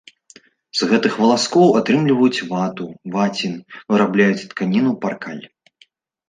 З гэтых валаскоў атрымліваюць вату, вацін, вырабляюць тканіну паркаль.